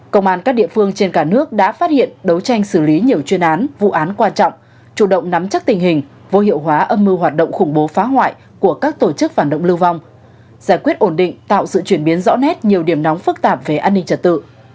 công an các địa phương trên cả nước đã phát hiện đấu tranh xử lý nhiều chuyên án vụ án quan trọng chủ động nắm chắc tình hình vô hiệu hóa âm mưu hoạt động khủng bố phá hoại của các tổ chức phản động lưu vong giải quyết ổn định tạo sự chuyển biến rõ nét nhiều điểm nóng phức tạp về an ninh trật tự